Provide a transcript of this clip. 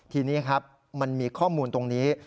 ทีนี้ครับมันมีข้อมูลตรงนี้